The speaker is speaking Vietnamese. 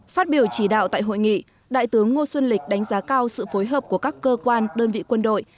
phát biểu chỉ đạo tại hội nghị đại tướng ngô xuân lịch đánh giá cao sự phối hợp của các cơ quan đơn vị quân đội